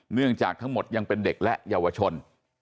เนื่องจากทั้งหมดยังเป็นเด็กและเยาวชน